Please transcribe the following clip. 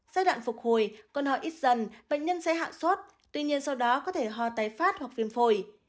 giai đoạn phục hồi cơn hò ít dần bệnh nhân sẽ hạ suất tuy nhiên sau đó có thể hò tay phát hoặc viêm phổi